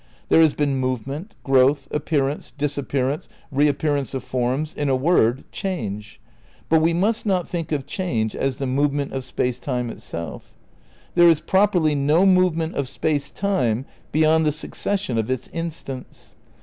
There has been movement, growth, appearance, disappearance, reap pearance of forms, in a word, change. But we must not think of change as the movement of Space Time itself. There is properly no movement of Space Time beyond the succession of its instants.